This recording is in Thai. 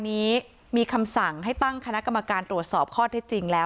นี้มีคำสั่งให้ตั้งคณะกรรมการตรวจสอบข้อเท็จจริงแล้ว